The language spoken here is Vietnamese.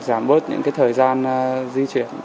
giảm bớt những cái thời gian di chuyển